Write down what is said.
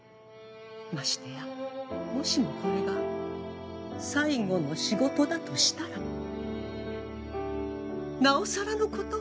ましてやもしもこれが最後の仕事だとしたらなおさらのこと